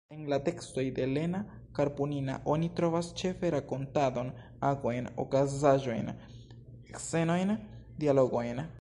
En la tekstoj de Lena Karpunina oni trovas ĉefe rakontadon, agojn, okazaĵojn, scenojn, dialogojn.